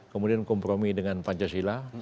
kemudian kompromi dengan pancasila